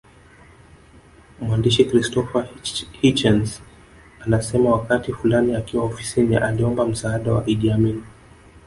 Mwandishi Christopher Hitchens anasema wakati fulani akiwa ofisini aliomba msaada wa Idi Amin